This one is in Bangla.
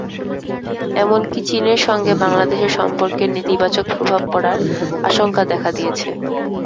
এমনকি চীনের সঙ্গে বাংলাদেশের সম্পর্কের নেতিবাচক প্রভাব পড়ার আশঙ্কা দেখা দিয়েছে।